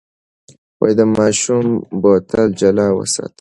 د ماشوم بوتل جلا وساتئ.